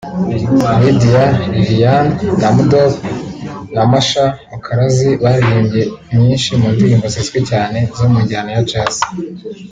Lydia Lillian Namudope na Masha Mukalazi baririmbye nyinshi mu ndirimbo zizwi cyane zo mu njyana ya Jazz